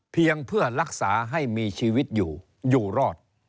เพียงเพื่อรักษาให้มีชีวิตอยู่อยู่รอด